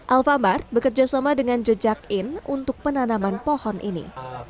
alphamart bekerja sama dengan jojak inn untuk penanaman pohon ini